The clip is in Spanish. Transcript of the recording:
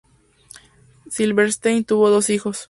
Silverstein tuvo dos hijos.